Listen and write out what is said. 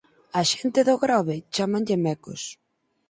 Á xente do Grove chámanlle mecos.